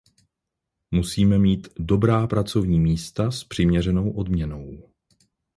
Musíme mít dobrá pracovní místa s přiměřenou odměnou.